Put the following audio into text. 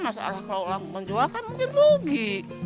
masalah kalau menjual kan mungkin rugi